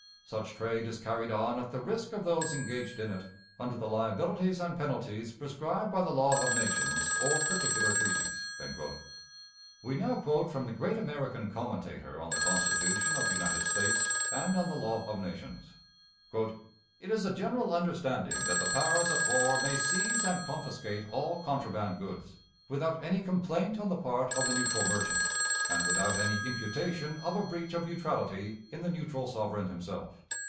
Such trade is carried on at the risk of those engaged in it, under the liabilities and penalties prescribed by the law of nations or particular treaties." We now quote from the great American commentator on the Constitution of the United States and on the law of nations: "It is a general understanding that the powers at war may seize and confiscate all contraband goods, without any complaint on the part of the neutral merchant, and without any imputation of a breach of neutrality in the neutral sovereign himself.